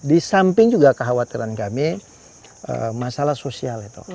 di samping juga kekhawatiran kami masalah sosial itu